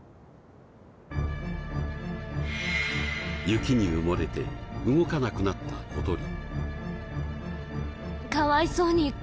雪に埋もれて動かなくなった小鳥。